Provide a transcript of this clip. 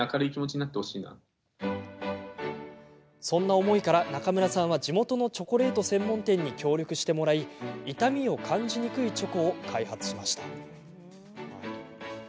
そんな思いから、中村さんは地元のチョコレート専門店に協力してもらい痛みを感じにくいチョコを開発しました。